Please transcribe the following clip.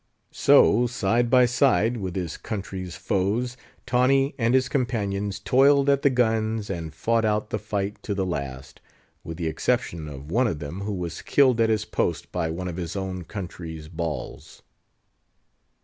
So, side by side with his country's foes, Tawney and his companions toiled at the guns, and fought out the fight to the last; with the exception of one of them, who was killed at his post by one of his own country's balls.